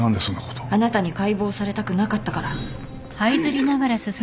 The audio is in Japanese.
あなたに解剖されたくなかったから。